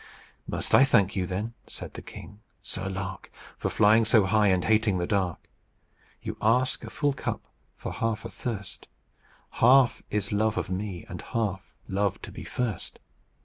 "'Must I thank you, then,' said the king, 'Sir Lark, For flying so high, and hating the dark? You ask a full cup for half a thirst: Half is love of me, and half love to be first.